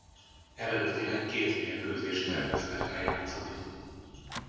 Eredetileg két mérkőzést terveztek lejátszani.